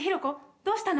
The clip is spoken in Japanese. どうしたの？